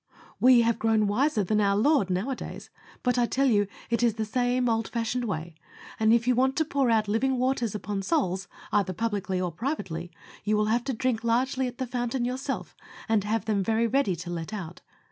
We have grown wiser than our Lord now a days; but, I tell you, it is the same old fashioned way, and if you want to pour out living waters upon souls, either publicly or privately, you will have to drink largely at the fountain yourself, and have them very ready to let out!